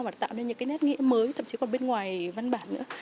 và tạo nên những cái nét nghĩa mới thậm chí còn bên ngoài văn bản nữa